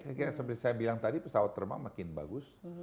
seperti saya bilang tadi pesawat terma makin bagus